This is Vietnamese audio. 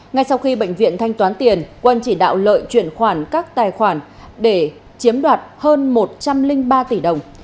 ngay sau khi bệnh viện thanh toán tiền quân chỉ đạo lợi chuyển khoản các tài khoản để chiếm đoạt hơn một trăm linh ba tỷ đồng